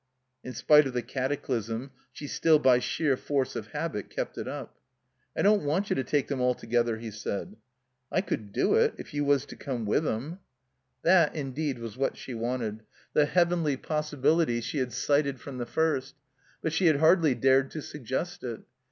In spite of the cataclysm, she still by sheer force of habit kept it up. "I don't want you to take them altogether," he said. "I could do it — if you was to come with them —" That, indeed, was what she wanted, the heavenly 276 THE COMBINED MAZE possibility she had sighted from the first. But she had hardly dared to suggest it.